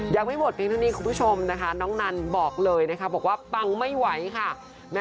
ยังไม่หมดเพียงเท่านี้คุณผู้ชมนะคะน้องนันบอกเลยนะคะบอกว่าปังไม่ไหวค่ะ